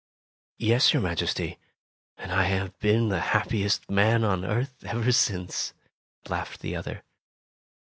"Yes, your Majesty, and I have been the happiest man on earth ever since," laughed the other.